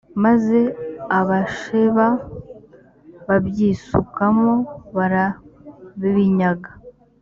maze abasheba babyisukamo barabinyaga